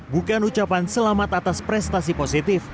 bukan ucapan selamat atas prestasi positif